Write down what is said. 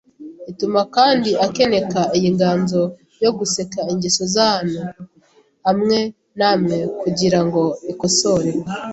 ituma kandi akeneka iyi nganzo yo guseka ingeso z’antu amwe na amwe kugira ngo ikosore